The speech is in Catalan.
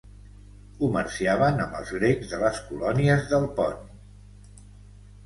Comerciaven amb els grecs de les colònies del Pont.